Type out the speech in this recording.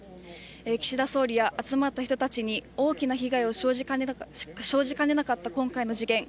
岸田総理や集まった人たちに大きな被害が生じかねなかった今回の事件。